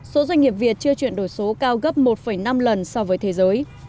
số doanh nghiệp việt chưa chuyển đổi số cao gấp một năm lần so với thế giới